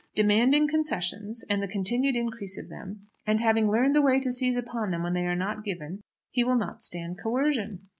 Demanding concessions, and the continued increase of them, and having learned the way to seize upon them when they are not given, he will not stand coercion.